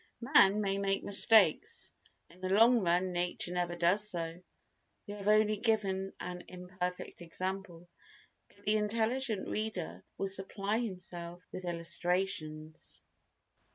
Man may make mistakes; in the long run nature never does so. We have only given an imperfect example, but the intelligent reader will supply himself with illustrations.